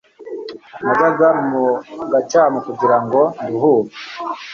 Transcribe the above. najyaga mu gacyamu kugira ngo nduhuke